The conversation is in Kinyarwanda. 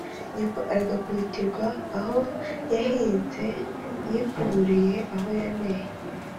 nyoko aragaku bitirwa aho yahinze yikuburire aho yaneye